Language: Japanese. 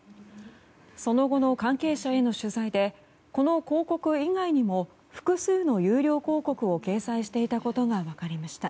その後の関係者への取材でこの広告以外にも複数の有料広告を掲載していたことが分かりました。